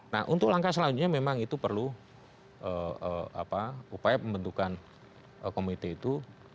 nah untuk langkah selanjutnya memang itu perlu upaya pembentukan komite itu